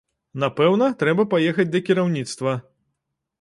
Напэўна, трэба паехаць да кіраўніцтва.